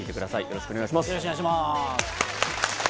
よろしくお願いします。